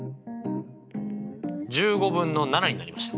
１５分の７になりました。